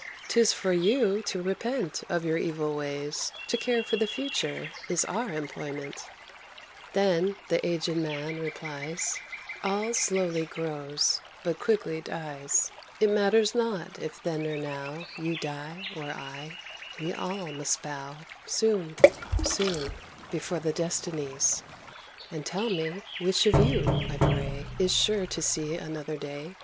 'Tis for you to repent of your evil ways: To care for the future is our employment!" Then the aged man replies [Illustration: THE OLD MAN AND THE THREE YOUNG MEN.] "All slowly grows, but quickly dies. It matters not if then or now You die or I; we all must bow, Soon, soon, before the destinies. And tell me which of you, I pray, Is sure to see another day?